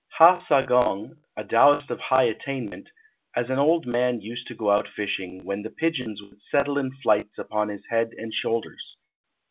Ha Sa gong, a Taoist of high attainment, as an old man used to go out fishing, when the pigeons would settle in flights upon his head and shoulders.